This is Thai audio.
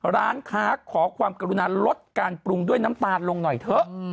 ร้านค้าขอความกรุณาลดการปรุงด้วยน้ำตาลลงหน่อยเถอะ